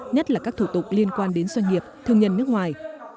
nhất là các thủ tục liên quan đến doanh nghiệp thương nhân nước ngoài